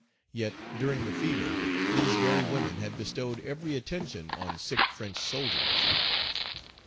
Yet, during the fever, these very women had bestowed every attention on sick French soldiers.